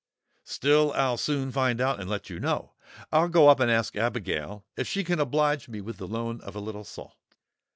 Still, I'll soon find out and let you know. I'll go up and ask Abigail if she can oblige me with the loan of a little salt.